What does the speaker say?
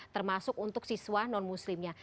termasuk untuk siswa non muslimnya